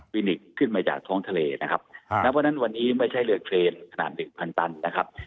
นิกขึ้นมาจากท้องทะเลนะครับณเพราะฉะนั้นวันนี้ไม่ใช่เรือเทรนขนาดหนึ่งพันตันนะครับ